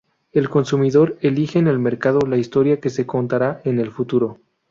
El consumidor elige en el mercado la historia que se contará en el futuro.